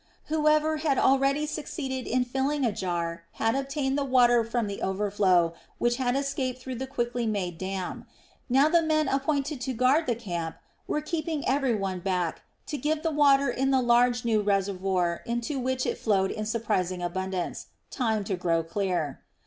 Whoever had already succeeded in filling a jar had obtained the water from the overflow which had escaped through the quickly made dam. Now the men appointed to guard the camp were keeping every one back to give the water in the large new reservoir into which it flowed in surprising abundance, time to grow clear.